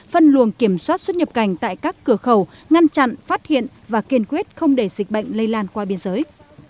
phân luồng kiểm soát xuất nhập cảnh tại các cửa khẩu ngăn chặn phát hiện và kiên quyết không để dịch bệnh lây lan qua biên giới